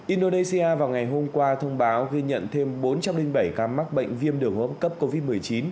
indonesia vào ngày hôm qua thông báo ghi nhận thêm bốn trăm linh bảy ca mắc bệnh viêm đường hô hấp cấp covid một mươi chín